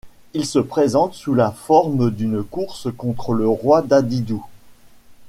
Il se présente sous la forme d'une course contre le Roi Dadidou.